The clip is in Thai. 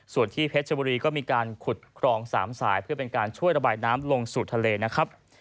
ส่วนที่เพชรชบุรีก็มีการขุดครอง๓สายเพื่อเป็นการช่วยระบายน้ำลงสู่ทะเลนะครับ